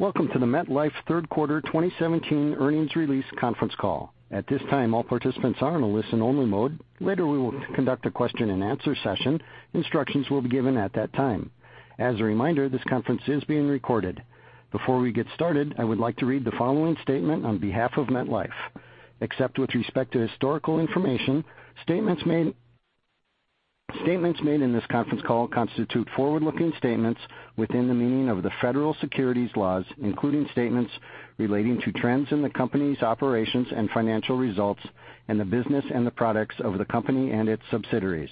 Welcome to the MetLife third quarter 2017 earnings release conference call. At this time, all participants are in a listen-only mode. Later, we will conduct a question-and-answer session. Instructions will be given at that time. As a reminder, this conference is being recorded. Before we get started, I would like to read the following statement on behalf of MetLife. Except with respect to historical information, statements made in this conference call constitute forward-looking statements within the meaning of the federal securities laws, including statements relating to trends in the company's operations and financial results and the business and the products of the company and its subsidiaries.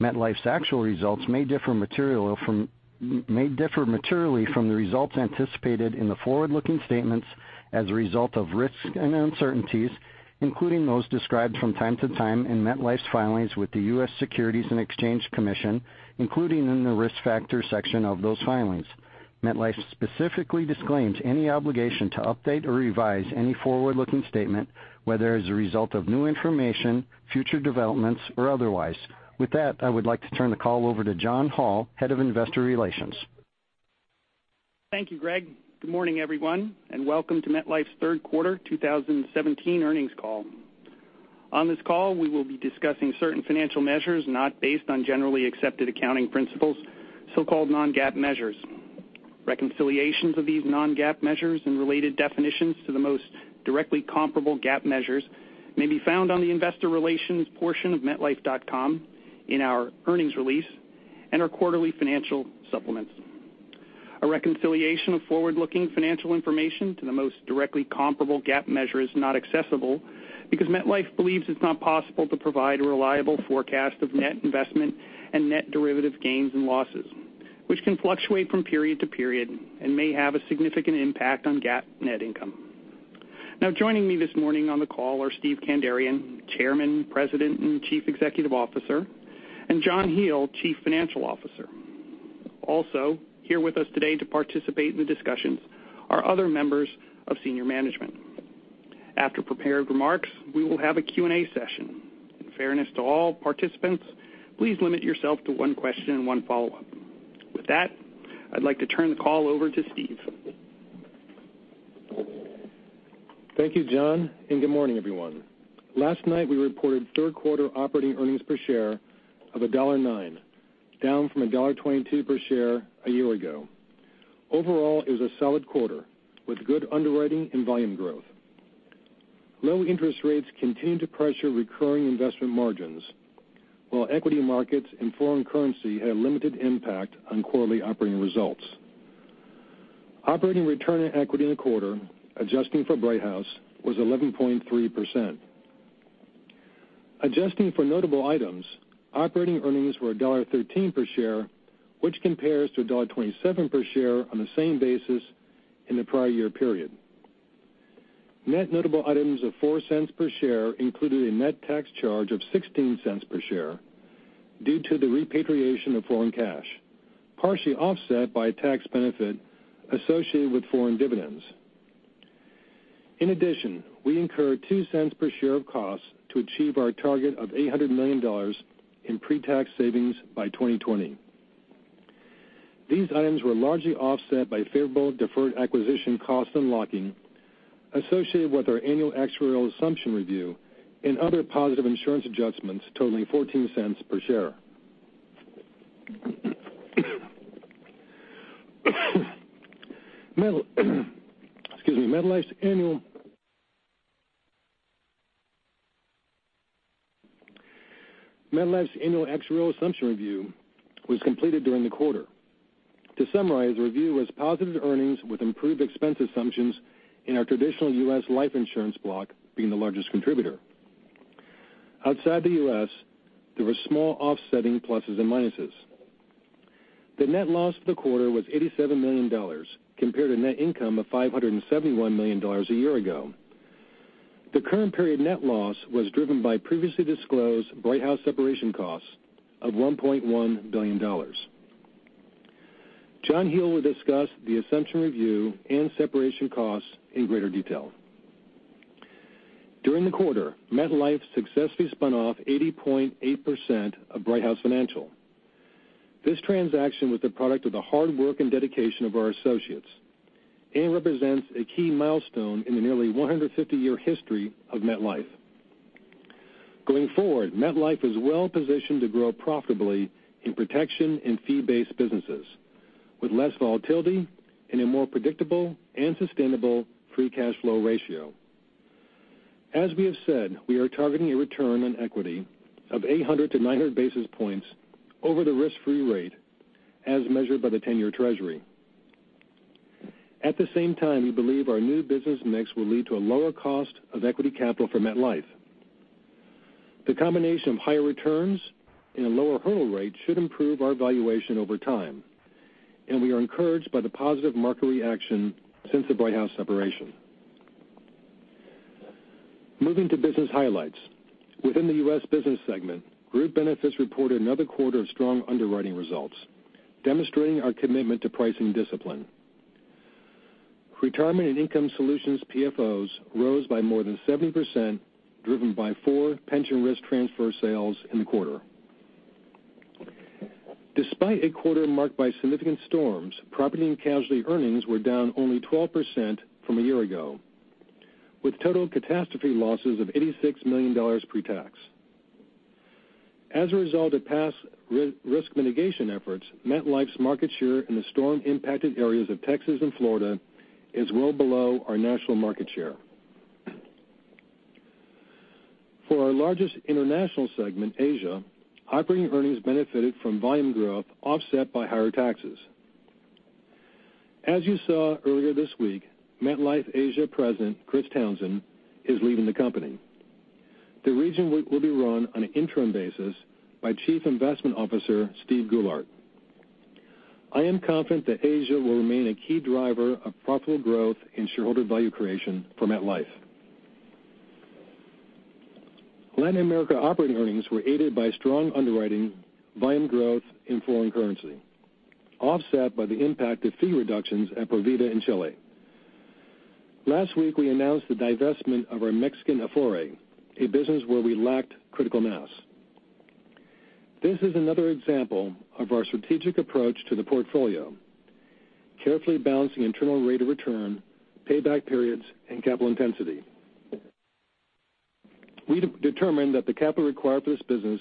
MetLife's actual results may differ materially from the results anticipated in the forward-looking statements as a result of risks and uncertainties, including those described from time to time in MetLife's filings with the U.S. Securities and Exchange Commission, including in the Risk Factors section of those filings. MetLife specifically disclaims any obligation to update or revise any forward-looking statement, whether as a result of new information, future developments, or otherwise. With that, I would like to turn the call over to John Hall, Head of Investor Relations. Thank you, Greg. Good morning, everyone, and welcome to MetLife's third quarter 2017 earnings call. On this call, we will be discussing certain financial measures not based on Generally Accepted Accounting Principles, so-called non-GAAP measures. Reconciliations of these non-GAAP measures and related definitions to the most directly comparable GAAP measures may be found on the investor relations portion of metlife.com in our earnings release and our quarterly financial supplements. A reconciliation of forward-looking financial information to the most directly comparable GAAP measure is not accessible because MetLife believes it's not possible to provide a reliable forecast of net investment and net derivative gains and losses, which can fluctuate from period to period and may have a significant impact on GAAP net income. Joining me this morning on the call are Steve Kandarian, Chairman, President, and Chief Executive Officer, and John Hele, Chief Financial Officer. Also here with us today to participate in the discussions are other members of senior management. After prepared remarks, we will have a Q&A session. In fairness to all participants, please limit yourself to one question and one follow-up. With that, I'd like to turn the call over to Steve. Thank you, John, and good morning, everyone. Last night, we reported third quarter operating earnings per share of $1.09, down from $1.22 per share a year ago. Overall, it was a solid quarter with good underwriting and volume growth. Low interest rates continue to pressure recurring investment margins, while equity markets and foreign currency had a limited impact on quarterly operating results. Operating return on equity in the quarter, adjusting for Brighthouse, was 11.3%. Adjusting for notable items, operating earnings were $1.13 per share, which compares to $1.27 per share on the same basis in the prior year period. Net notable items of $0.04 per share included a net tax charge of $0.16 per share due to the repatriation of foreign cash, partially offset by a tax benefit associated with foreign dividends. In addition, we incurred $0.02 per share of costs to achieve our target of $800 million in pre-tax savings by 2020. These items were largely offset by favorable deferred acquisition cost unlocking associated with our annual actuarial assumption review and other positive insurance adjustments totaling $0.14 per share. MetLife's annual actuarial assumption review was completed during the quarter. To summarize, the review was positive earnings with improved expense assumptions in our traditional U.S. life insurance block being the largest contributor. Outside the U.S., there were small offsetting pluses and minuses. The net loss for the quarter was $87 million, compared to net income of $571 million a year ago. The current period net loss was driven by previously disclosed Brighthouse separation costs of $1.1 billion. John Hele will discuss the assumption review and separation costs in greater detail. During the quarter, MetLife successfully spun off 80.8% of Brighthouse Financial. This transaction was the product of the hard work and dedication of our associates and represents a key milestone in the nearly 150-year history of MetLife. Going forward, MetLife is well positioned to grow profitably in protection and fee-based businesses with less volatility and a more predictable and sustainable free cash flow ratio. As we have said, we are targeting a return on equity of 800 to 900 basis points over the risk-free rate as measured by the 10-year treasury. At the same time, we believe our new business mix will lead to a lower cost of equity capital for MetLife. The combination of higher returns and a lower hurdle rate should improve our valuation over time, and we are encouraged by the positive market reaction since the Brighthouse separation. Moving to business highlights. Within the U.S. Business segment, Group Benefits reported another quarter of strong underwriting results, demonstrating our commitment to pricing discipline. Retirement and Income Solutions PFOs rose by more than 70%, driven by four pension risk transfer sales in the quarter. Despite a quarter marked by significant storms, property and casualty earnings were down only 12% from a year ago, with total catastrophe losses of $86 million pre-tax. As a result of past risk mitigation efforts, MetLife's market share in the storm-impacted areas of Texas and Florida is well below our national market share. For our largest international segment, Asia, operating earnings benefited from volume growth offset by higher taxes. As you saw earlier this week, MetLife Asia President, Chris Townsend, is leaving the company. The region will be run on an interim basis by Chief Investment Officer Steve Goulart. I am confident that Asia will remain a key driver of profitable growth and shareholder value creation for MetLife. Latin America operating earnings were aided by strong underwriting volume growth in foreign currency, offset by the impact of fee reductions at Provida in Chile. Last week, we announced the divestment of our Mexican AFORE, a business where we lacked critical mass. This is another example of our strategic approach to the portfolio, carefully balancing internal rate of return, payback periods, and capital intensity. We determined that the capital required for this business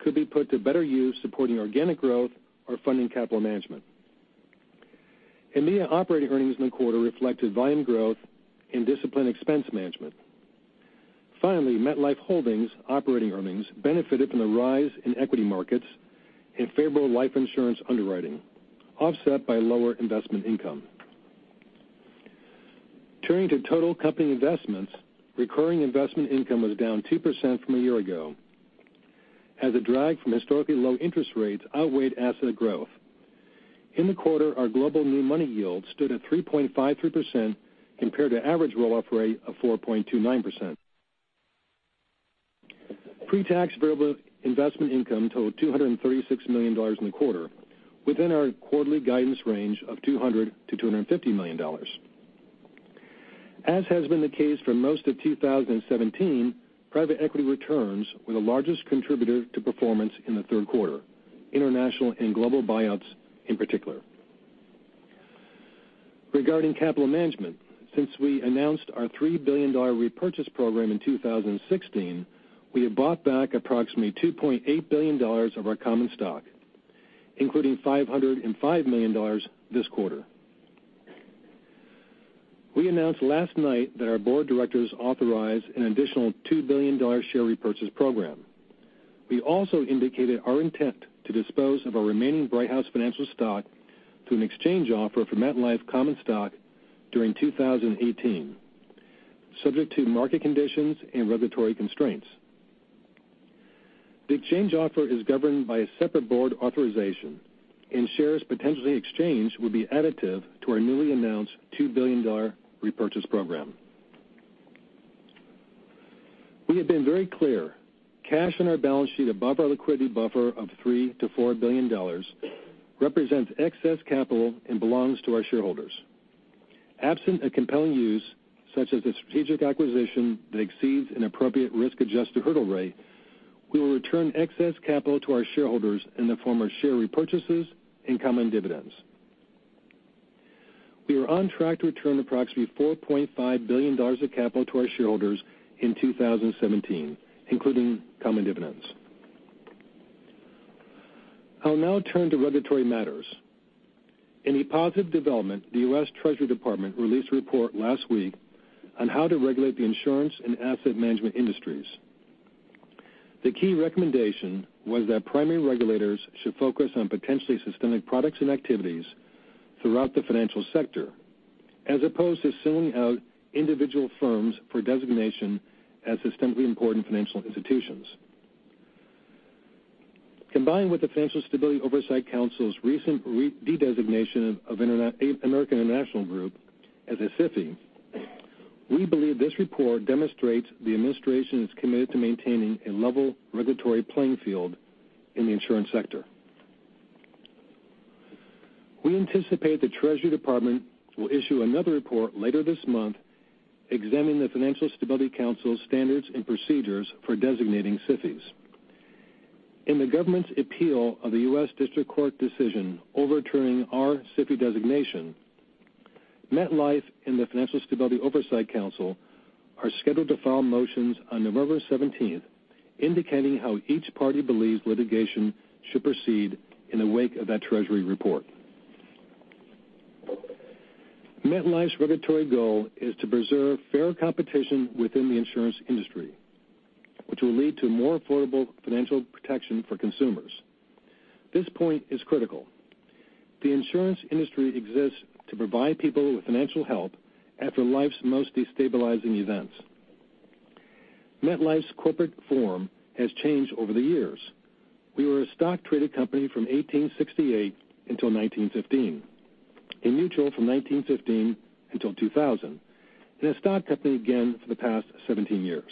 could be put to better use supporting organic growth or funding capital management. EMEA operating earnings in the quarter reflected volume growth and disciplined expense management. Finally, MetLife Holdings operating earnings benefited from the rise in equity markets and favorable life insurance underwriting, offset by lower investment income. Turning to total company investments, recurring investment income was down 2% from a year ago as a drag from historically low interest rates outweighed asset growth. In the quarter, our global new money yield stood at 3.53% compared to average roll-off rate of 4.29%. Pre-tax variable investment income totaled $236 million in the quarter, within our quarterly guidance range of $200 million-$250 million. As has been the case for most of 2017, private equity returns were the largest contributor to performance in the third quarter, international and global buyouts in particular. Regarding capital management, since we announced our $3 billion repurchase program in 2016, we have bought back approximately $2.8 billion of our common stock, including $505 million this quarter. We announced last night that our board of directors authorized an additional $2 billion share repurchase program. We also indicated our intent to dispose of our remaining Brighthouse Financial stock through an exchange offer for MetLife common stock during 2018, subject to market conditions and regulatory constraints. The exchange offer is governed by a separate board authorization, and shares potentially exchanged will be additive to our newly announced $2 billion repurchase program. We have been very clear. Cash on our balance sheet above our liquidity buffer of $3 billion-$4 billion represents excess capital and belongs to our shareholders. Absent a compelling use, such as a strategic acquisition that exceeds an appropriate risk-adjusted hurdle rate, we will return excess capital to our shareholders in the form of share repurchases and common dividends. We are on track to return approximately $4.5 billion of capital to our shareholders in 2017, including common dividends. I'll now turn to regulatory matters. In a positive development, the U.S. Treasury Department released a report last week on how to regulate the insurance and asset management industries. The key recommendation was that primary regulators should focus on potentially systemic products and activities throughout the financial sector, as opposed to sending out individual firms for designation as systemically important financial institutions. Combined with the Financial Stability Oversight Council's recent de-designation of American International Group as a SIFI, we believe this report demonstrates the administration is committed to maintaining a level regulatory playing field in the insurance sector. We anticipate the Treasury Department will issue another report later this month examining the Financial Stability Oversight Council's standards and procedures for designating SIFIs. In the government's appeal of the U.S. District Court decision overturning our SIFI designation, MetLife and the Financial Stability Oversight Council are scheduled to file motions on November 17th indicating how each party believes litigation should proceed in the wake of that Treasury report. MetLife's regulatory goal is to preserve fair competition within the insurance industry, which will lead to more affordable financial protection for consumers. This point is critical. The insurance industry exists to provide people with financial help after life's most destabilizing events. MetLife's corporate form has changed over the years. We were a stock traded company from 1868 until 1915, a mutual from 1915 until 2000, and a stock company again for the past 17 years.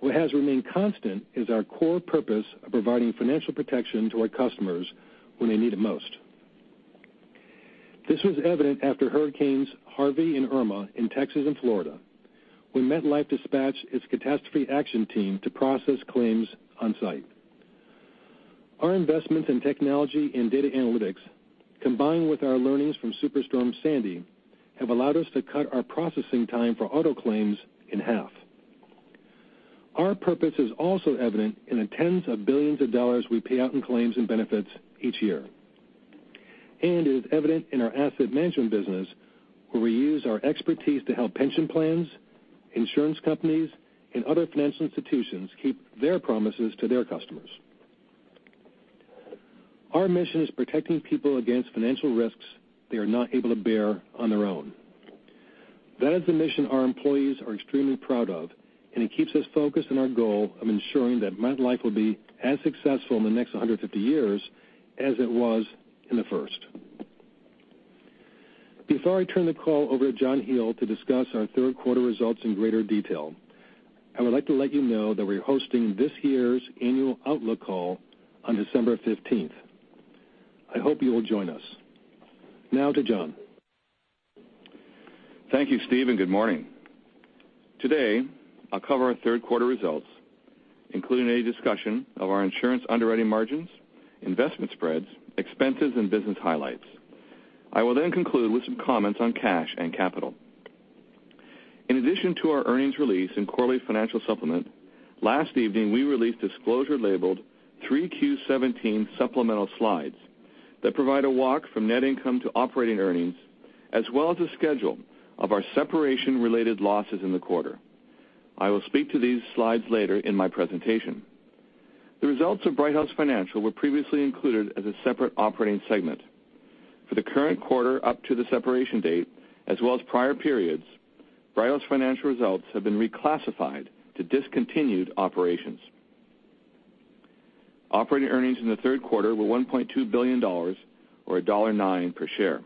What has remained constant is our core purpose of providing financial protection to our customers when they need it most. This was evident after Hurricane Harvey and Hurricane Irma in Texas and Florida, when MetLife dispatched its catastrophe action team to process claims on site. Our investment in technology and data analytics, combined with our learnings from Superstorm Sandy, have allowed us to cut our processing time for auto claims in half. Our purpose is also evident in the tens of billions of dollars we pay out in claims and benefits each year. It is evident in our asset management business, where we use our expertise to help pension plans, insurance companies, and other financial institutions keep their promises to their customers. Our mission is protecting people against financial risks they are not able to bear on their own. That is the mission our employees are extremely proud of, and it keeps us focused on our goal of ensuring that MetLife will be as successful in the next 150 years as it was in the first. Before I turn the call over to John Hele to discuss our third quarter results in greater detail, I would like to let you know that we're hosting this year's annual outlook call on December 15th. I hope you will join us. Now to John. Thank you, Steve, and good morning. Today, I'll cover our third quarter results, including a discussion of our insurance underwriting margins, investment spreads, expenses, and business highlights. I will then conclude with some comments on cash and capital. In addition to our earnings release and quarterly financial supplement, last evening, we released disclosure labeled 3Q17 supplemental slides that provide a walk from net income to operating earnings, as well as a schedule of our separation-related losses in the quarter. I will speak to these slides later in my presentation. The results of Brighthouse Financial were previously included as a separate operating segment. For the current quarter up to the separation date, as well as prior periods, Brighthouse Financial results have been reclassified to discontinued operations. Operating earnings in the third quarter were $1.2 billion, or $1.09 per share.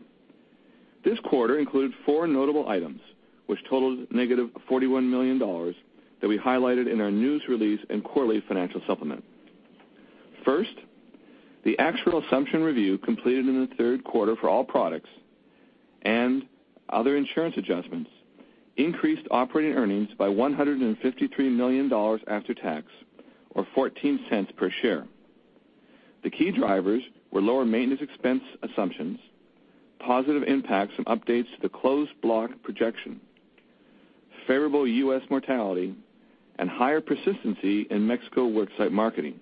This quarter includes four notable items, which totals -$41 million that we highlighted in our news release and quarterly financial supplement. First, the actuarial assumption review completed in the third quarter for all products and other insurance adjustments increased operating earnings by $153 million after tax, or $0.14 per share. The key drivers were lower maintenance expense assumptions, positive impacts from updates to the closed block projection, favorable U.S. mortality, and higher persistency in Mexico worksite marketing.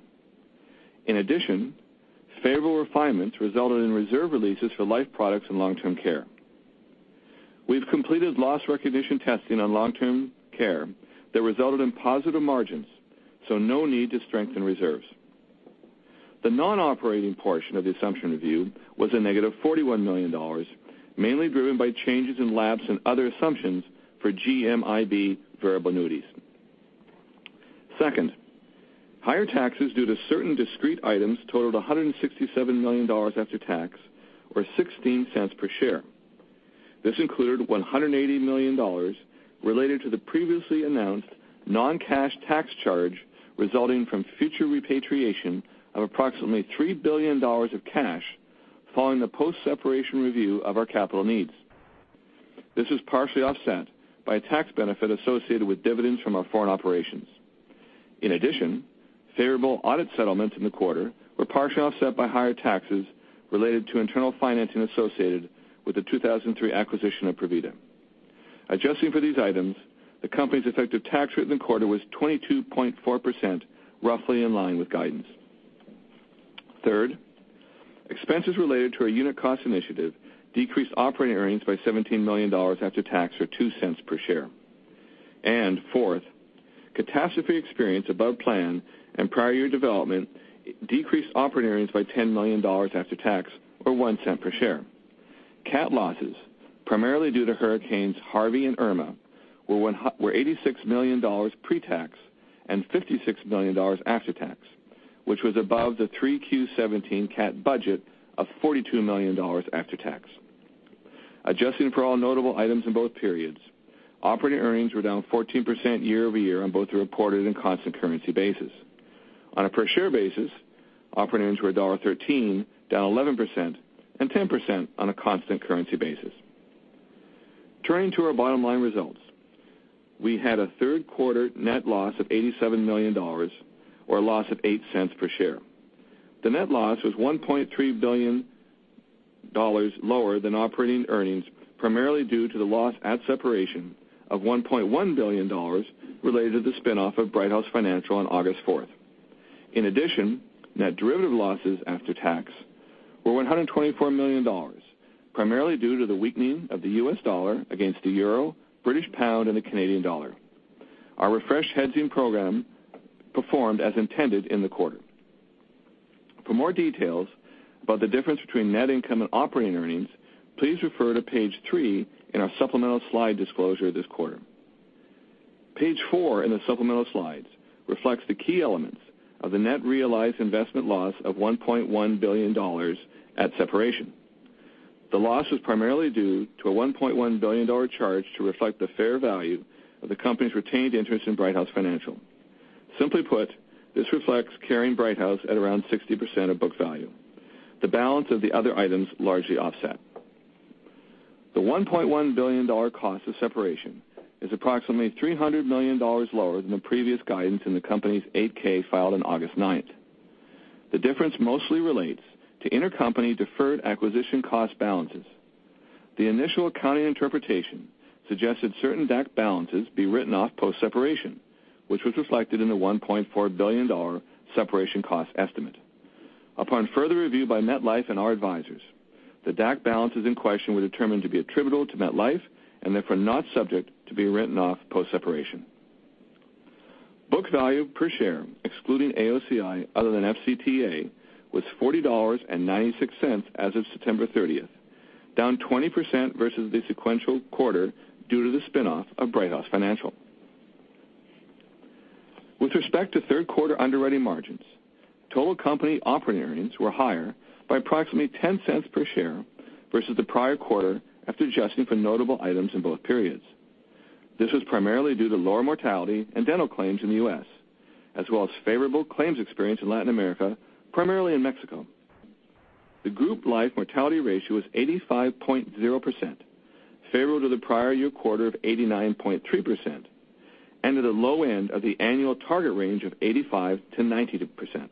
In addition, favorable refinements resulted in reserve releases for life products and long-term care. We've completed loss recognition testing on long-term care that resulted in positive margins, so no need to strengthen reserves. The non-operating portion of the assumption review was a -$41 million, mainly driven by changes in laps and other assumptions for GMIB variable annuities. Second, higher taxes due to certain discrete items totaled $167 million after tax, or $0.16 per share. This included $180 million related to the previously announced non-cash tax charge resulting from future repatriation of approximately $3 billion of cash following the post-separation review of our capital needs. This was partially offset by a tax benefit associated with dividends from our foreign operations. In addition, favorable audit settlements in the quarter were partially offset by higher taxes related to internal financing associated with the 2003 acquisition of Provida. Adjusting for these items, the company's effective tax rate in the quarter was 22.4%, roughly in line with guidance. Third, expenses related to our unit cost initiative decreased operating earnings by $17 million after tax, or $0.02 per share. Fourth, catastrophe experience above plan and prior year development decreased operating earnings by $10 million after tax, or $0.01 per share. Cat losses, primarily due to hurricanes Harvey and Irma, were $86 million pre-tax and $56 million after tax, which was above the 3Q17 cat budget of $42 million after tax. Adjusting for all notable items in both periods, operating earnings were down 14% year-over-year on both the reported and constant currency basis. On a per share basis, operating earnings were $1.13, down 11%, and 10% on a constant currency basis. Turning to our bottom line results, we had a third quarter net loss of $87 million, or a loss of $0.08 per share. The net loss was $1.3 billion lower than operating earnings, primarily due to the loss at separation of $1.1 billion related to the spin-off of Brighthouse Financial on August 4th. In addition, net derivative losses after tax were $124 million, primarily due to the weakening of the U.S. dollar against the euro, British pound, and the Canadian dollar. Our refreshed hedging program performed as intended in the quarter. For more details about the difference between net income and operating earnings, please refer to page three in our supplemental slide disclosure this quarter. Page four in the supplemental slides reflects the key elements of the net realized investment loss of $1.1 billion at separation. The loss was primarily due to a $1.1 billion charge to reflect the fair value of the company's retained interest in Brighthouse Financial. Simply put, this reflects carrying Brighthouse at around 60% of book value. The balance of the other items largely offset. The $1.1 billion cost of separation is approximately $300 million lower than the previous guidance in the company's 8-K filed on August 9th. The difference mostly relates to intercompany deferred acquisition cost balances. The initial accounting interpretation suggested certain DAC balances be written off post-separation, which was reflected in the $1.4 billion separation cost estimate. Upon further review by MetLife and our advisors, the DAC balances in question were determined to be attributable to MetLife and therefore not subject to be written off post-separation. Book value per share, excluding AOCI other than FCTA, was $40.96 as of September 30th, down 20% versus the sequential quarter due to the spin-off of Brighthouse Financial. With respect to third quarter underwriting margins, total company operating earnings were higher by approximately $0.10 per share versus the prior quarter after adjusting for notable items in both periods. This was primarily due to lower mortality and dental claims in the U.S., as well as favorable claims experience in Latin America, primarily in Mexico. The Group Life mortality ratio was 85.0%, favorable to the prior year quarter of 89.3%, and at the low end of the annual target range of 85%-90%.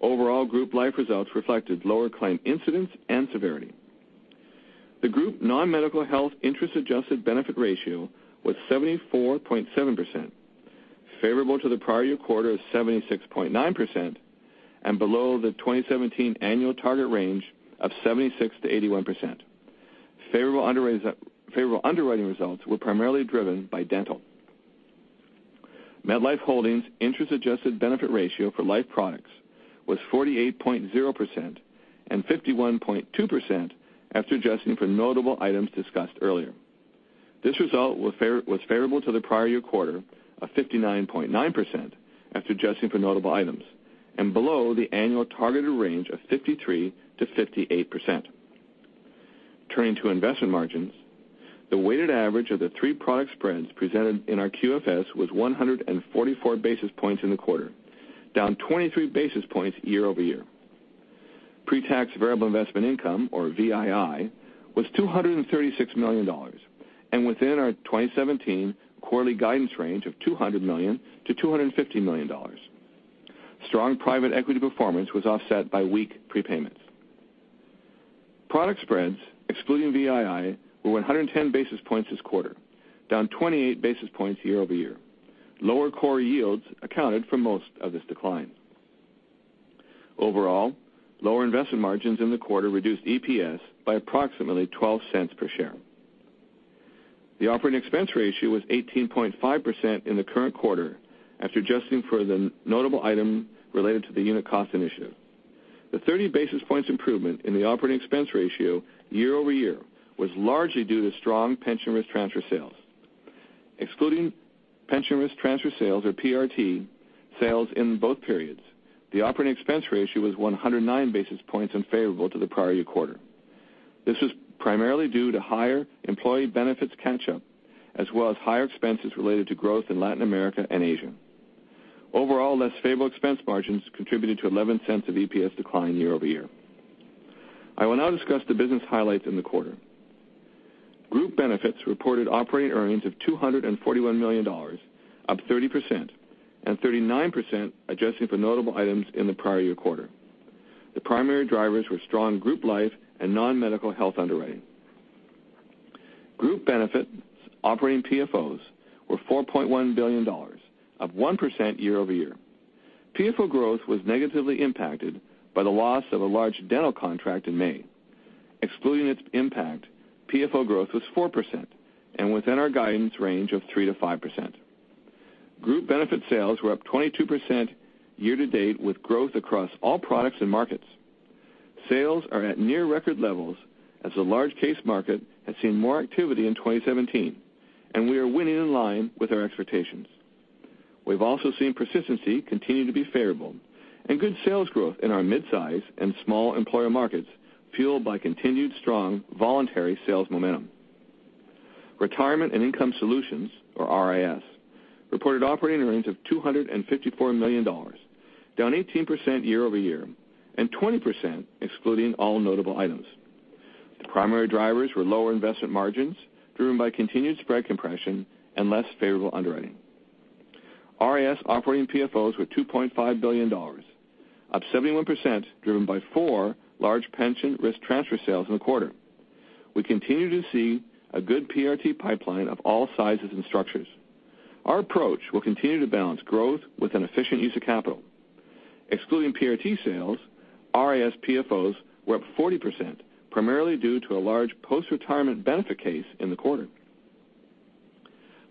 Overall Group Life results reflected lower claim incidents and severity. The group non-medical health interest adjusted benefit ratio was 74.7%, favorable to the prior year quarter of 76.9% and below the 2017 annual target range of 76%-81%. Favorable underwriting results were primarily driven by dental. MetLife Holdings interest adjusted benefit ratio for life products was 48.0% and 51.2% after adjusting for notable items discussed earlier. This result was favorable to the prior year quarter of 59.9% after adjusting for notable items, and below the annual targeted range of 53%-58%. Turning to investment margins, the weighted average of the three product spreads presented in our QFS was 144 basis points in the quarter, down 23 basis points year-over-year. Pre-tax variable investment income or VII was $236 million and within our 2017 quarterly guidance range of $200 million-$250 million. Strong private equity performance was offset by weak prepayments. Product spreads excluding VII were 110 basis points this quarter, down 28 basis points year-over-year. Lower core yields accounted for most of this decline. Overall, lower investment margins in the quarter reduced EPS by approximately $0.12 per share. The operating expense ratio was 18.5% in the current quarter after adjusting for the notable item related to the unit cost initiative. The 30 basis points improvement in the operating expense ratio year-over-year was largely due to strong pension risk transfer sales. Excluding pension risk transfer sales or PRT sales in both periods, the operating expense ratio was 109 basis points unfavorable to the prior year quarter. This was primarily due to higher employee benefits catch-up, as well as higher expenses related to growth in Latin America and Asia. Overall, less favorable expense margins contributed to $0.11 of EPS decline year-over-year. I will now discuss the business highlights in the quarter. Group Benefits reported operating earnings of $241 million, up 30%, and 39% adjusting for notable items in the prior year quarter. The primary drivers were strong Group Life and non-medical health underwriting. Group Benefits operating PFOs were $4.1 billion, up 1% year-over-year. PFO growth was negatively impacted by the loss of a large dental contract in May. Excluding its impact, PFO growth was 4% and within our guidance range of 3%-5%. Group Benefit sales were up 22% year to date, with growth across all products and markets. Sales are at near record levels as the large case market has seen more activity in 2017, and we are winning in line with our expectations. We've also seen persistency continue to be favorable and good sales growth in our mid-size and small employer markets fueled by continued strong voluntary sales momentum. Retirement and Income Solutions, or RIS, reported operating earnings of $254 million, down 18% year-over-year and 20% excluding all notable items. The primary drivers were lower investment margins driven by continued spread compression and less favorable underwriting. RIS operating PFOs were $2.5 billion, up 71%, driven by four large pension risk transfer sales in the quarter. We continue to see a good PRT pipeline of all sizes and structures. Our approach will continue to balance growth with an efficient use of capital. Excluding PRT sales, RIS PFOs were up 40%, primarily due to a large post-retirement benefit case in the quarter.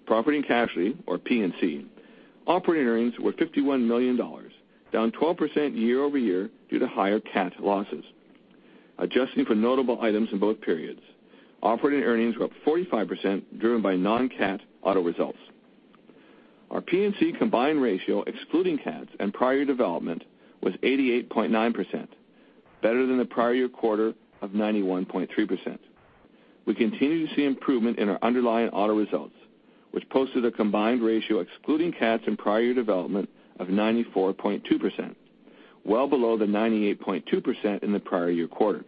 Property & Casualty or P&C operating earnings were $51 million, down 12% year-over-year due to higher CAT losses. Adjusting for notable items in both periods, operating earnings were up 45%, driven by non-CAT auto results. Our P&C combined ratio excluding CATs and prior year development was 88.9%, better than the prior year quarter of 91.3%. We continue to see improvement in our underlying auto results, which posted a combined ratio excluding CATs and prior year development of 94.2%, well below the 98.2% in the prior year quarter.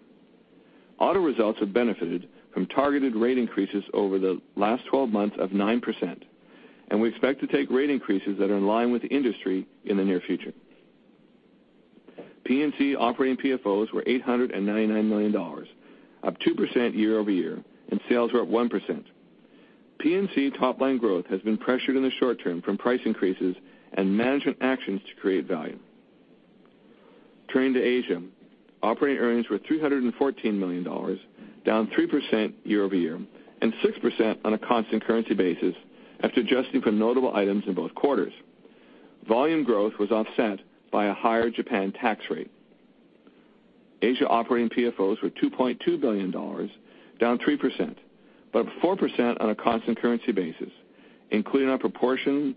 Auto results have benefited from targeted rate increases over the last 12 months of 9%, and we expect to take rate increases that are in line with the industry in the near future. P&C operating PFOs were $899 million, up 2% year-over-year, and sales were up 1%. P&C top line growth has been pressured in the short term from price increases and management actions to create value. Turning to Asia, operating earnings were $314 million, down 3% year-over-year, and 6% on a constant currency basis after adjusting for notable items in both quarters. Volume growth was offset by a higher Japan tax rate. Asia operating PFOs were $2.2 billion, down 3%, but up 4% on a constant currency basis, including our proportion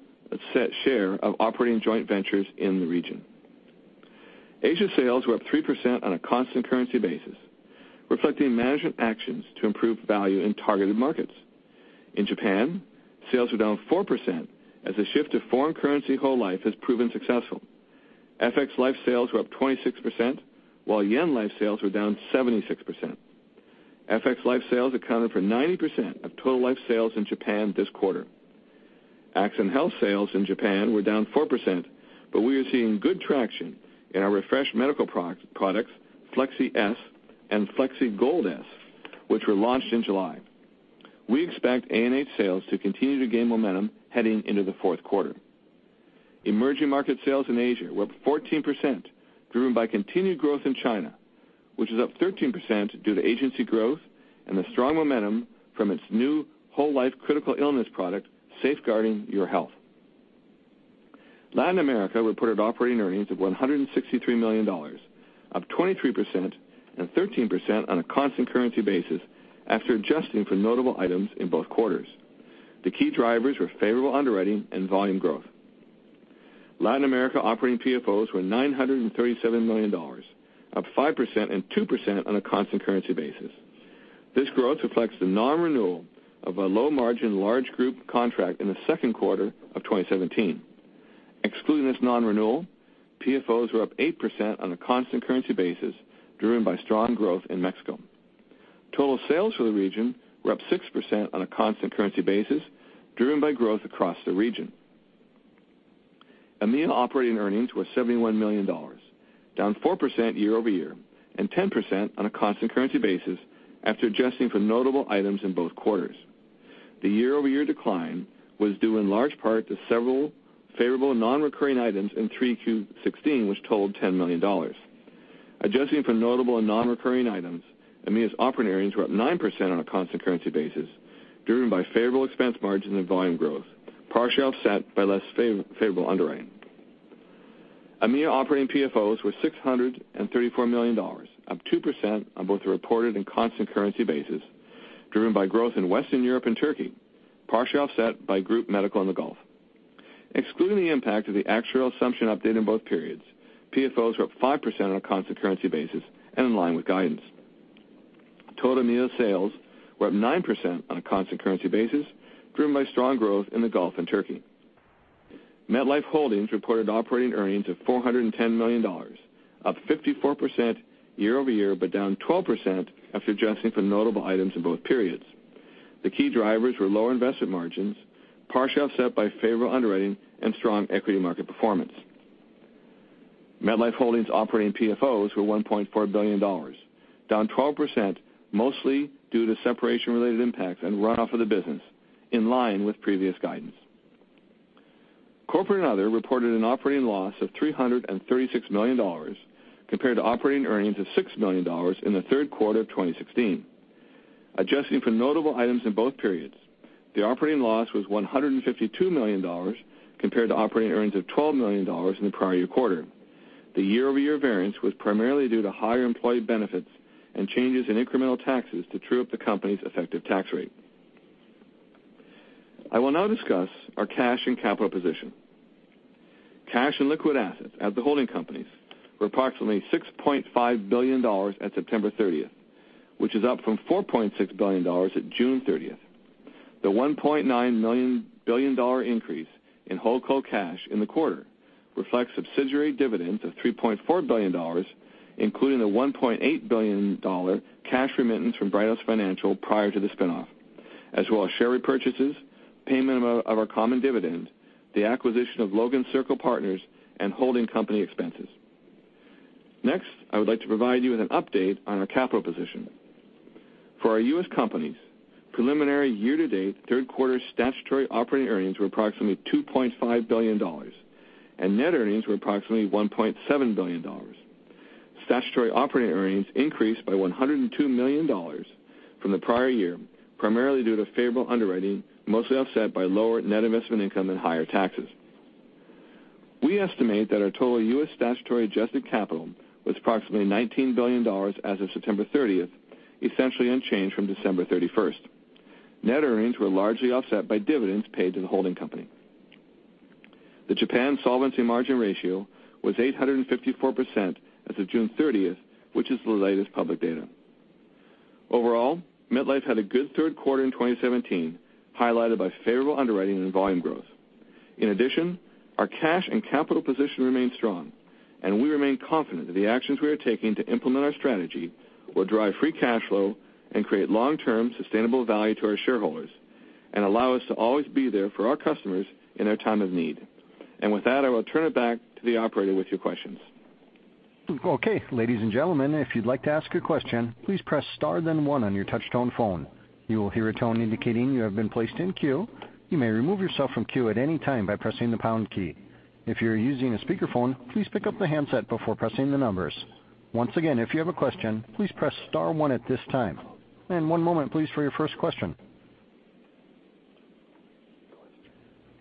share of operating joint ventures in the region. Asia sales were up 3% on a constant currency basis, reflecting management actions to improve value in targeted markets. In Japan, sales were down 4% as the shift to foreign currency whole life has proven successful. FX life sales were up 26%, while yen life sales were down 76%. FX life sales accounted for 90% of total life sales in Japan this quarter. Accident & Health sales in Japan were down 4%, but we are seeing good traction in our refreshed medical products, Flexi S and Flexi Gold S, which were launched in July. We expect A&H sales to continue to gain momentum heading into the fourth quarter. Emerging market sales in Asia were up 14%, driven by continued growth in China, which is up 13% due to agency growth and the strong momentum from its new whole life critical illness product, Safeguarding Your Health. Latin America reported operating earnings of $163 million, up 23% and 13% on a constant currency basis after adjusting for notable items in both quarters. The key drivers were favorable underwriting and volume growth. Latin America operating PFOs were $937 million, up 5% and 2% on a constant currency basis. This growth reflects the non-renewal of a low-margin large group contract in the second quarter of 2017. Excluding this non-renewal, PFOs were up 8% on a constant currency basis, driven by strong growth in Mexico. Total sales for the region were up 6% on a constant currency basis, driven by growth across the region. EMEA operating earnings were $71 million, down 4% year-over-year, and 10% on a constant currency basis after adjusting for notable items in both quarters. The year-over-year decline was due in large part to several favorable non-recurring items in 3Q16, which totaled $10 million. Adjusting for notable and non-recurring items, EMEA's operating earnings were up 9% on a constant currency basis, driven by favorable expense margins and volume growth, partially offset by less favorable underwriting. EMEA operating PFOs were $634 million, up 2% on both a reported and constant currency basis, driven by growth in Western Europe and Turkey, partially offset by group medical in the Gulf. Excluding the impact of the actuarial assumption update in both periods, PFOs were up 5% on a constant currency basis and in line with guidance. Total EMEA sales were up 9% on a constant currency basis, driven by strong growth in the Gulf and Turkey. MetLife Holdings reported operating earnings of $410 million, up 54% year-over-year, but down 12% after adjusting for notable items in both periods. The key drivers were lower investment margins, partially offset by favorable underwriting and strong equity market performance. MetLife Holdings' operating PFOs were $1.4 billion, down 12%, mostly due to separation-related impacts and runoff of the business, in line with previous guidance. Corporate and other reported an operating loss of $336 million compared to operating earnings of $6 million in the third quarter of 2016. Adjusting for notable items in both periods, the operating loss was $152 million compared to operating earnings of $12 million in the prior year quarter. The year-over-year variance was primarily due to higher employee benefits and changes in incremental taxes to true up the company's effective tax rate. I will now discuss our cash and capital position. Cash and liquid assets at the holding companies were approximately $6.5 billion at September 30th, which is up from $4.6 billion at June 30th. The $1.9 billion increase in holdco cash in the quarter reflects subsidiary dividends of $3.4 billion, including a $1.8 billion cash remittance from Brighthouse Financial prior to the spinoff, as well as share repurchases, payment of our common dividend, the acquisition of Logan Circle Partners, and holding company expenses. Next, I would like to provide you with an update on our capital position. For our U.S. companies, preliminary year-to-date third quarter statutory operating earnings were approximately $2.5 billion, and net earnings were approximately $1.7 billion. Statutory operating earnings increased by $102 million from the prior year, primarily due to favorable underwriting, mostly offset by lower net investment income and higher taxes. We estimate that our total U.S. statutory adjusted capital was approximately $19 billion as of September 30th, essentially unchanged from December 31st. Net earnings were largely offset by dividends paid to the holding company. The Japan solvency margin ratio was 854% as of June 30th, which is the latest public data. Overall, MetLife had a good third quarter in 2017, highlighted by favorable underwriting and volume growth. In addition, our cash and capital position remains strong, and we remain confident that the actions we are taking to implement our strategy will drive free cash flow and create long-term sustainable value to our shareholders and allow us to always be there for our customers in their time of need. With that, I will turn it back to the operator with your questions. Okay. Ladies and gentlemen, if you'd like to ask a question, please press star then one on your touch-tone phone. You will hear a tone indicating you have been placed in queue. You may remove yourself from queue at any time by pressing the pound key. If you're using a speakerphone, please pick up the handset before pressing the numbers. Once again, if you have a question, please press star one at this time. One moment please for your first question.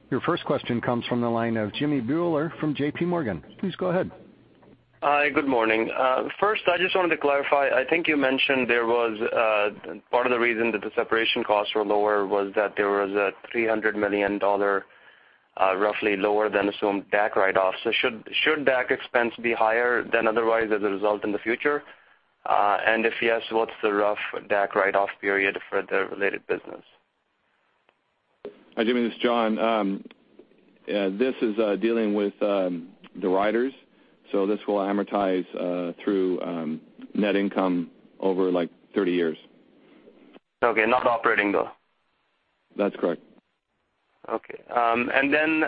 Your first question comes from the line of Jimmy Bhullar from JP Morgan. Please go ahead. Hi, good morning. First, I just wanted to clarify, I think you mentioned there was part of the reason that the separation costs were lower was that there was a $300 million roughly lower than assumed DAC write-off. Should DAC expense be higher than otherwise as a result in the future? If yes, what's the rough DAC write-off period for the related business? Hi, Jimmy, this is John. This is dealing with the riders. This will amortize through net income over 30 years. Okay. Not operating, though? That's correct. Okay. Then,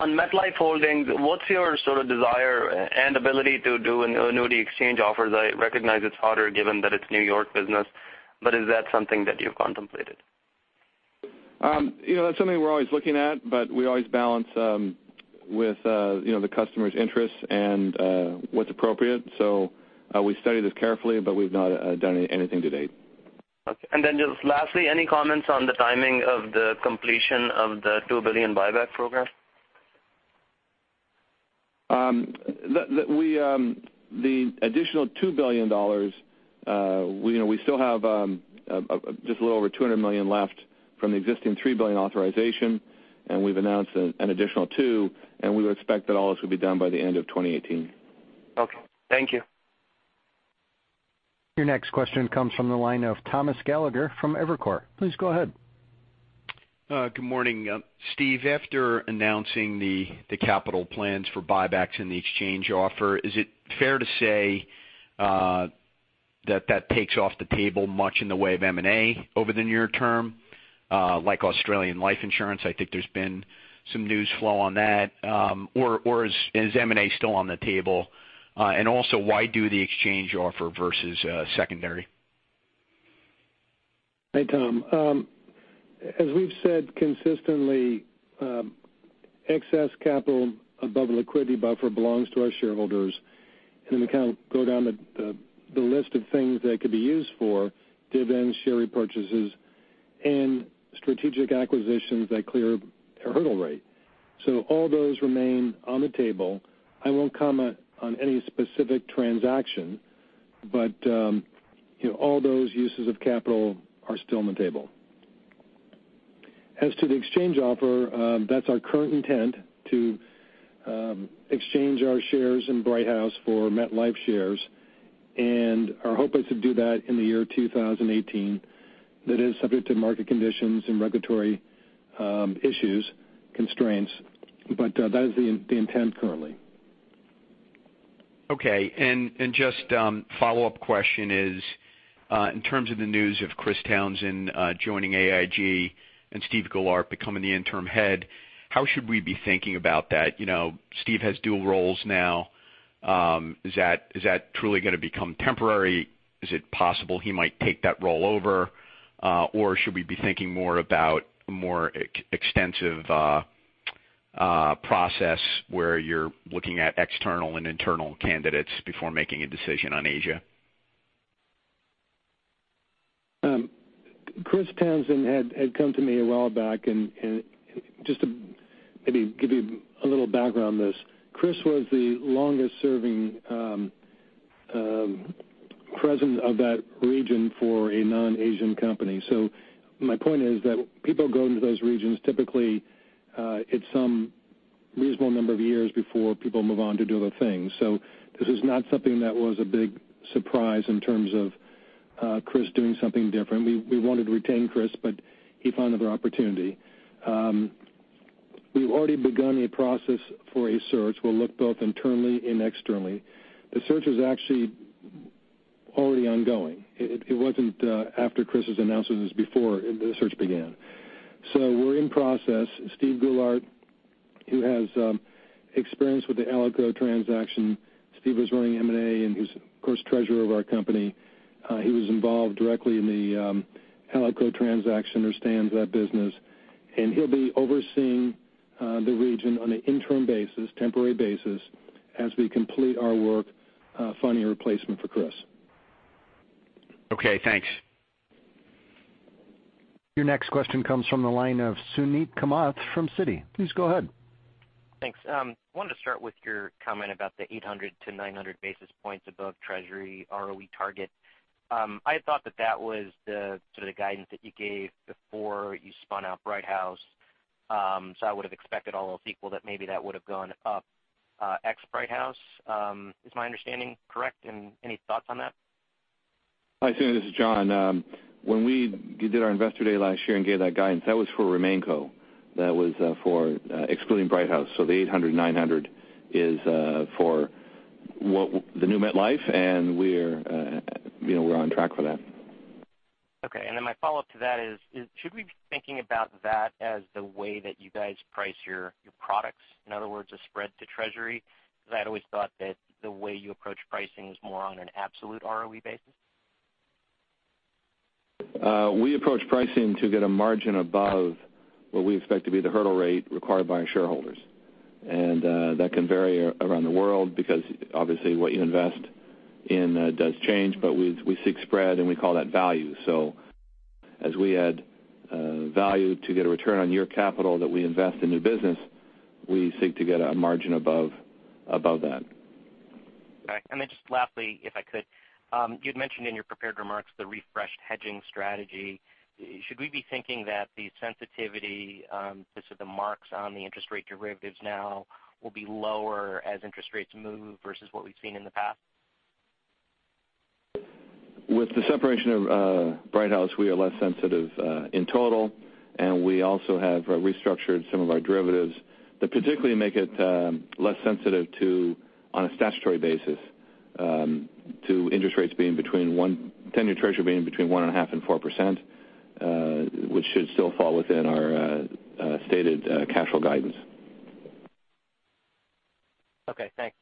on MetLife Holdings, what's your sort of desire and ability to do an annuity exchange offer? I recognize it's harder given that it's New York business, but is that something that you've contemplated? That's something we're always looking at, but we always balance with the customer's interests and what's appropriate. We study this carefully, but we've not done anything to date. Okay. Just lastly, any comments on the timing of the completion of the $2 billion buyback program? The additional $2 billion, we still have just a little over $200 million left from the existing $3 billion authorization. We've announced an additional 2, and we would expect that all this will be done by the end of 2018. Okay. Thank you. Your next question comes from the line of Thomas Gallagher from Evercore. Please go ahead. Good morning. Steve, after announcing the capital plans for buybacks in the exchange offer, is it fair to say that takes off the table much in the way of M&A over the near term? Like Australian life insurance, I think there's been some news flow on that. Or is M&A still on the table? Why do the exchange offer versus secondary? Hey, Tom. As we've said consistently, excess capital above liquidity buffer belongs to our shareholders. Then we kind of go down the list of things they could be used for, dividends, share repurchases, and strategic acquisitions that clear a hurdle rate. All those remain on the table. I won't comment on any specific transaction, but all those uses of capital are still on the table. As to the exchange offer, that's our current intent to exchange our shares in Brighthouse for MetLife shares. Our hope is to do that in the year 2018. That is subject to market conditions and regulatory issues, constraints, but that is the intent currently. Okay. Just follow-up question is, in terms of the news of Chris Townsend joining AIG and Steven Goulart becoming the interim head, how should we be thinking about that? Steve has dual roles now. Is that truly going to become temporary? Is it possible he might take that role over? Should we be thinking more about more extensive process where you're looking at external and internal candidates before making a decision on Asia? Chris Townsend had come to me a while back, just to maybe give you a little background on this. Chris was the longest-serving president of that region for a non-Asian company. My point is that people go into those regions typically it's some reasonable number of years before people move on to do other things. This is not something that was a big surprise in terms of Chris doing something different. We wanted to retain Chris, he found another opportunity. We've already begun a process for a search. We'll look both internally and externally. The search is actually already ongoing. It wasn't after Chris' announcement, it was before the search began. We're in process. Steven Goulart, who has experience with the Alico transaction. Steve was running M&A, he's, of course, treasurer of our company. He was involved directly in the Alico transaction, understands that business, and he'll be overseeing the region on an interim basis, temporary basis, as we complete our work finding a replacement for Chris. Okay, thanks. Your next question comes from the line of Suneet Kamath from Citi. Please go ahead. Thanks. I wanted to start with your comment about the 800-900 basis points above Treasury ROE target. I had thought that was the sort of guidance that you gave before you spun out Brighthouse, so I would have expected all else equal that maybe that would have gone up ex-Brighthouse. Is my understanding correct, and any thoughts on that? Hi, Suneet, this is John. When we did our Investor Day last year and gave that guidance, that was for RemainCo. That was for excluding Brighthouse. The 800, 900 is for the new MetLife, and we're on track for that. Okay, my follow-up to that is, should we be thinking about that as the way that you guys price your products? In other words, a spread to Treasury, because I'd always thought that the way you approach pricing is more on an absolute ROE basis. We approach pricing to get a margin above what we expect to be the hurdle rate required by our shareholders. That can vary around the world because obviously what you invest in does change, but we seek spread, and we call that value. As we add value to get a return on your capital that we invest in new business, we seek to get a margin above that. Okay. Just lastly, if I could, you'd mentioned in your prepared remarks the refreshed hedging strategy. Should we be thinking that the sensitivity, the marks on the interest rate derivatives now will be lower as interest rates move versus what we've seen in the past? With the separation of Brighthouse, we are less sensitive in total, and we also have restructured some of our derivatives that particularly make it less sensitive to, on a statutory basis, to interest rates being between 10-year Treasury being between 1.5% and 4%, which should still fall within our stated capital guidance. Okay, thanks.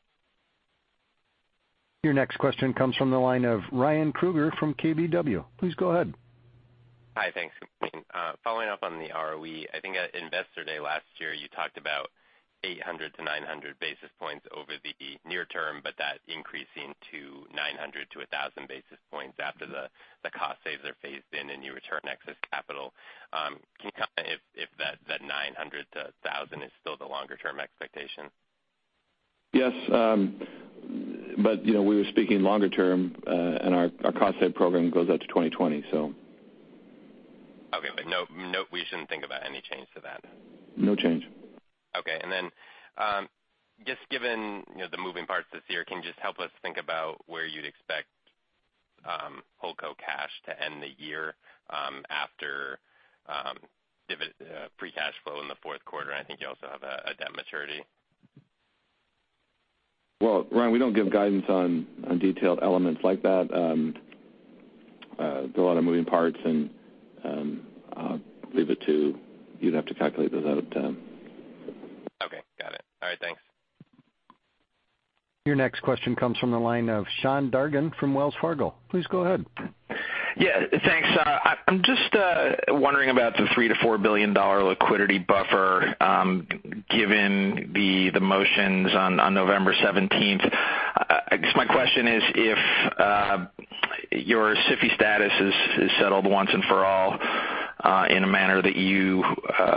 Your next question comes from the line of Ryan Krueger from KBW. Please go ahead. Hi. Thanks. Good morning. Following up on the ROE, I think at Investor Day last year, you talked about 800 to 900 basis points over the near term, but that increasing to 900 to 1,000 basis points after the cost saves are phased in and you return excess capital. Can you comment if that 900 to 1,000 is still the longer-term expectation? Yes. We were speaking longer term, our cost save program goes out to 2020. Okay, we shouldn't think about any change to that. No change. Okay, just given the moving parts this year, can you just help us think about where you'd expect Holdco cash to end the year after free cash flow in the fourth quarter? I think you also have a debt maturity. Well, Ryan, we don't give guidance on detailed elements like that. There's a lot of moving parts, and I'll leave it to you to calculate those out. Okay, got it. All right, thanks. Your next question comes from the line of Sean Dargan from Wells Fargo. Please go ahead. Yeah, thanks. I'm just wondering about the $3 billion-$4 billion liquidity buffer given the motions on November 17th. I guess my question is, if your SIFI status is settled once and for all in a manner that you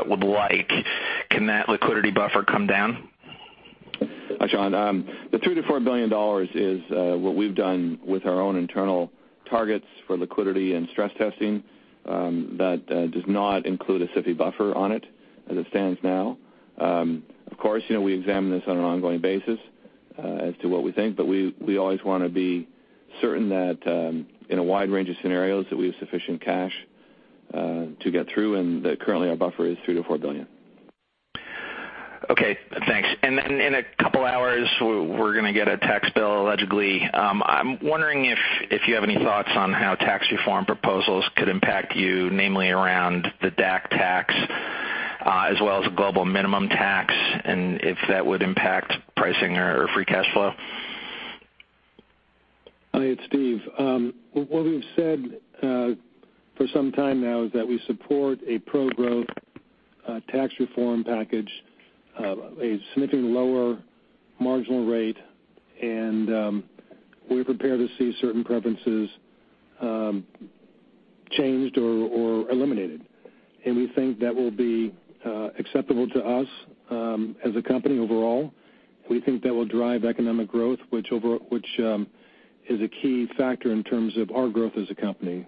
would like, can that liquidity buffer come down? Hi, Sean. The $3 billion-$4 billion is what we've done with our own internal targets for liquidity and stress testing. That does not include a SIFI buffer on it as it stands now. We examine this on an ongoing basis as to what we think, we always want to be certain that in a wide range of scenarios, that we have sufficient cash to get through, and that currently our buffer is $3 billion-$4 billion. Okay, thanks. Then in a couple of hours, we're going to get a tax bill, allegedly. I'm wondering if you have any thoughts on how tax reform proposals could impact you, namely around the DAC tax as well as a global minimum tax, and if that would impact pricing or free cash flow. Hi, it's Steve. What we've said for some time now is that we support a pro-growth tax reform package, a significantly lower marginal rate, we're prepared to see certain preferences changed or eliminated. We think that will be acceptable to us as a company overall. We think that will drive economic growth, which is a key factor in terms of our growth as a company,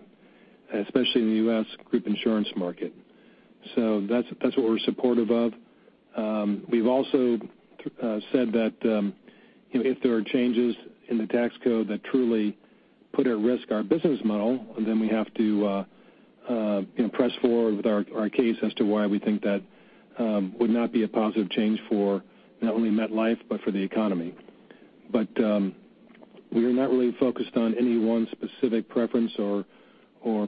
especially in the U.S. Group Benefits market. That's what we're supportive of. We've also said that if there are changes in the tax code that truly put at risk our business model, then we have to press forward with our case as to why we think that would not be a positive change for not only MetLife but for the economy. We are not really focused on any one specific preference or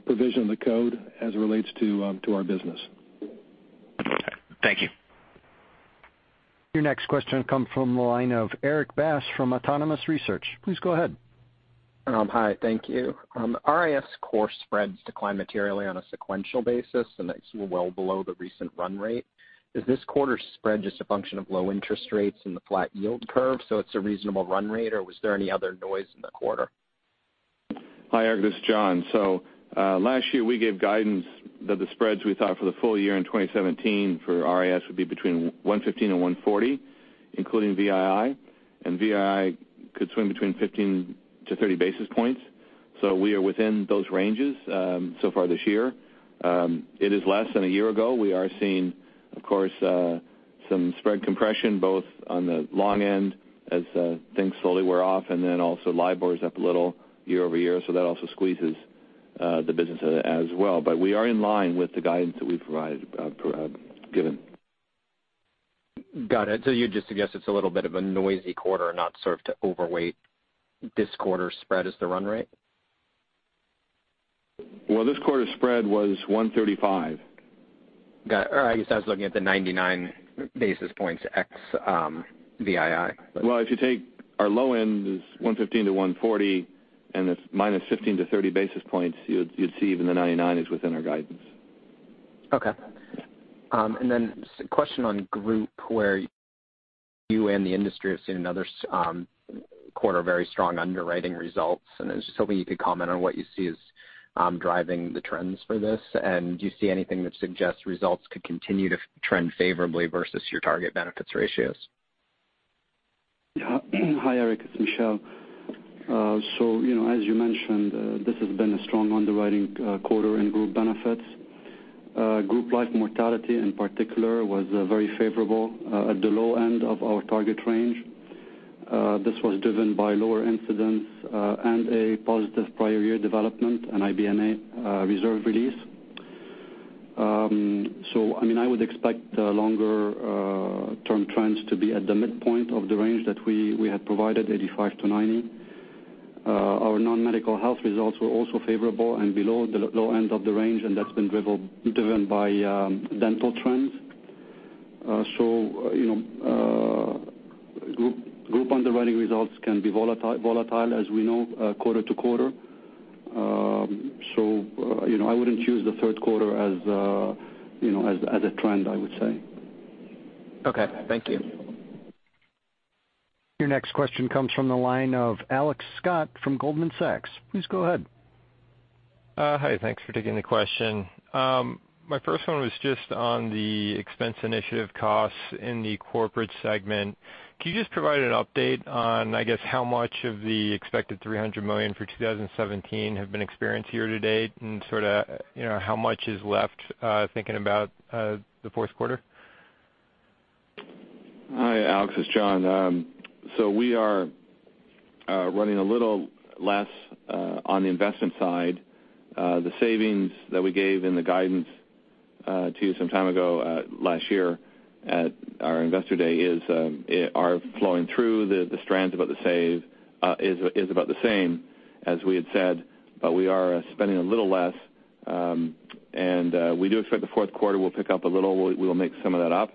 provision of the code as it relates to our business. Okay. Thank you. Your next question comes from the line of Erik Bass from Autonomous Research. Please go ahead. Hi. Thank you. RIS core spreads declined materially on a sequential basis, that's well below the recent run rate. Is this quarter's spread just a function of low interest rates and the flat yield curve, it's a reasonable run rate, or was there any other noise in the quarter? Hi, Erik. This is John. Last year we gave guidance that the spreads we thought for the full year in 2017 for RIS would be between 115 and 140, including VII, and VII could swing between 15 to 30 basis points. We are within those ranges so far this year. It is less than a year ago. We are seeing, of course, some spread compression, both on the long end as things slowly wear off, and then also LIBOR is up a little year-over-year, that also squeezes the business as well. We are in line with the guidance that we've provided, given. Got it. You'd just suggest it's a little bit of a noisy quarter and not sort of to overweight this quarter's spread as the run rate? This quarter's spread was 135. Got it. I guess I was looking at the 99 basis points ex-VII. If you take our low end is 115 to 140, and it's minus 15 to 30 basis points, you'd see even the 99 is within our guidance. Okay. Just a question on Group, where you and the industry have seen another quarter of very strong underwriting results. I was just hoping you could comment on what you see as driving the trends for this. Do you see anything that suggests results could continue to trend favorably versus your target benefits ratios? Yeah. Hi, Erik, it's Michel. As you mentioned, this has been a strong underwriting quarter in Group Benefits. Group Life mortality in particular was very favorable at the low end of our target range. This was driven by lower incidence and a positive prior year development, an IBNR reserve release. I would expect the longer-term trends to be at the midpoint of the range that we had provided, 85-90. Our non-medical health results were also favorable and below the low end of the range, that's been driven by dental trends. Group underwriting results can be volatile, as we know, quarter-to-quarter. I wouldn't choose the third quarter as a trend, I would say. Okay. Thank you. Your next question comes from the line of Alex Scott from Goldman Sachs. Please go ahead. Hi, thanks for taking the question. My first one was just on the expense initiative costs in the Corporate segment. Can you just provide an update on, I guess, how much of the expected $300 million for 2017 have been experienced year to date and how much is left, thinking about the fourth quarter? Hi, Alex, it's John. We are running a little less on the investment side. The savings that we gave in the guidance to you some time ago last year at our Investor Day are flowing through the strands about the save is about the same as we had said, but we are spending a little less. We do expect the fourth quarter we'll pick up a little. We'll make some of that up.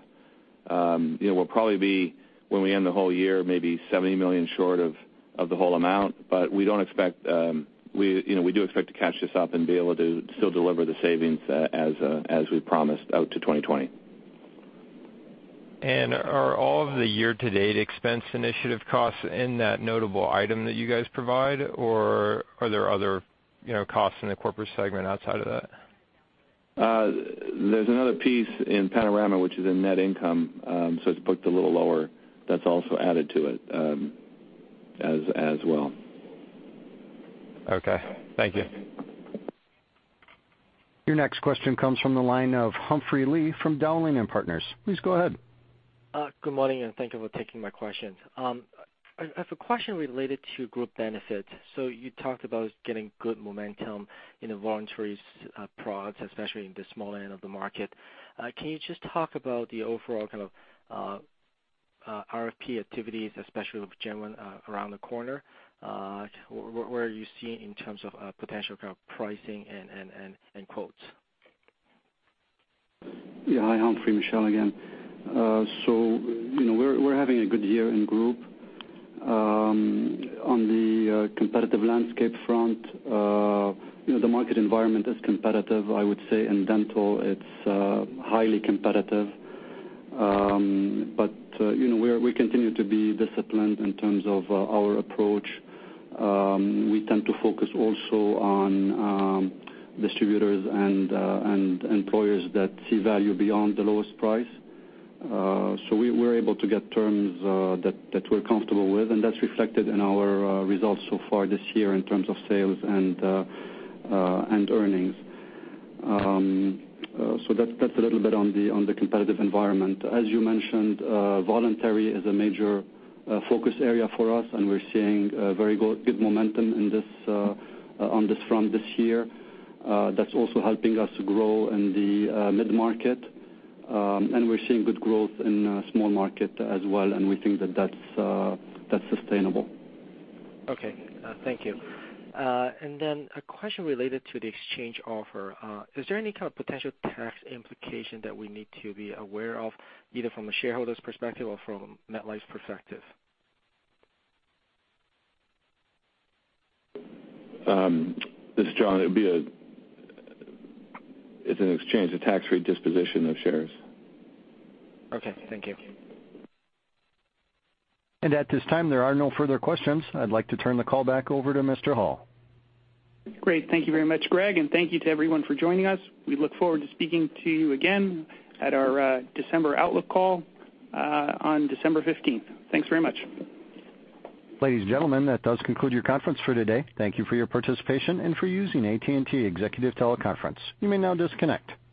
We'll probably be, when we end the whole year, maybe $70 million short of the whole amount, but we do expect to catch this up and be able to still deliver the savings as we promised out to 2020. Are all of the year-to-date expense initiative costs in that notable item that you guys provide, or are there other costs in the Corporate segment outside of that? There's another piece in Panorama, which is in net income, so it's booked a little lower that's also added to it as well. Okay. Thank you. Your next question comes from the line of Humphrey Lee from Dowling & Partners. Please go ahead. Good morning, and thank you for taking my question. I have a question related to Group Benefits. You talked about getting good momentum in the voluntaries products, especially in the small end of the market. Can you just talk about the overall kind of RFP activities, especially with January around the corner? What are you seeing in terms of potential kind of pricing and quotes? Yeah. Hi, Humphrey, Michel again. We're having a good year in Group. On the competitive landscape front, the market environment is competitive. I would say in dental, it's highly competitive. We continue to be disciplined in terms of our approach. We tend to focus also on distributors and employers that see value beyond the lowest price. We're able to get terms that we're comfortable with, and that's reflected in our results so far this year in terms of sales and earnings. That's a little bit on the competitive environment. As you mentioned, voluntary is a major focus area for us, and we're seeing very good momentum on this front this year. That's also helping us grow in the mid-market. We're seeing good growth in small market as well, and we think that that's sustainable. Okay. Thank you. Then a question related to the exchange offer. Is there any kind of potential tax implication that we need to be aware of, either from a shareholder's perspective or from MetLife's perspective? This is John. It's an exchange, a tax-free disposition of shares. Okay, thank you. At this time, there are no further questions. I'd like to turn the call back over to Mr. Hall. Great. Thank you very much, Greg, and thank you to everyone for joining us. We look forward to speaking to you again at our December outlook call on December 15th. Thanks very much. Ladies and gentlemen, that does conclude your conference for today. Thank you for your participation and for using AT&T Executive Teleconference. You may now disconnect.